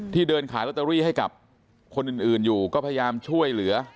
เดินขายลอตเตอรี่ให้กับคนอื่นอยู่ก็พยายามช่วยเหลือ